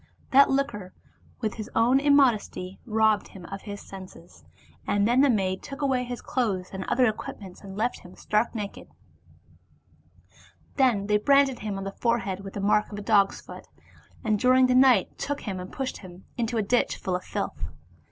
That liquor, like his own immod esty, robbed him of his senses, and then the maids took away his clothes and other equipments and left him stark naked; then they branded him on the forehead with the mark of a dog's foot, and during the night took him and pushed him into a ditch full of filth.